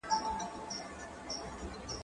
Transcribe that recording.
زه اوږده وخت نان خورم